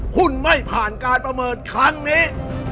หุ้นไม่ผ่านการประเมินครั้งนี้